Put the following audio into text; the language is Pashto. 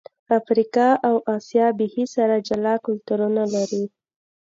افریقا او آسیا بیخي سره جلا کلتورونه لري.